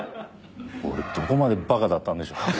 俺どこまでバカだったんでしょ。